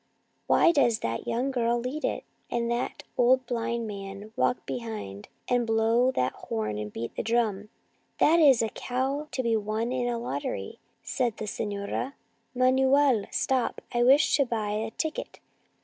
Why does that young girl lead it, and that old blind man walk be hind, and blow that horn and beat the drum ?"" That is a cow to be won in a lottery," said the senora. " Manuel, stop ; I wish to buy a ticket.